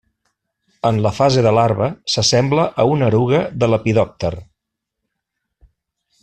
En la fase de larva s'assembla a una eruga de lepidòpter.